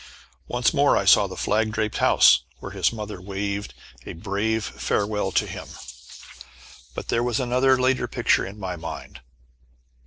Once more I saw the flag draped house where his mother waved a brave farewell to him. But there was another later picture in my mind.